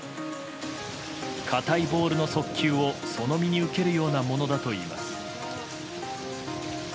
かたいボールの速球をその身に受けるほどのものだといいます。